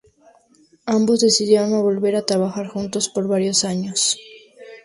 Ambos decidieron no volver a trabajar juntos por varios años.